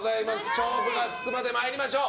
勝負がつくまで参りましょう。